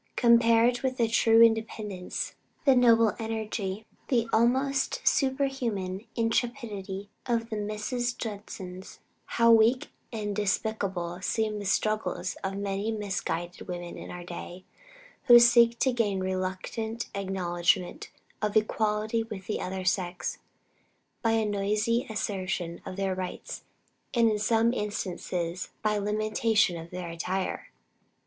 Compared with the true independence, the noble energy, the almost superhuman intrepidity of the Mrs. Judsons, how weak and despicable seem the struggles of many misguided women in our day, who seek to gain a reluctant acknowledgment of equality with the other sex, by a noisy assertion of their rights, and in some instances, by an imitation of their attire!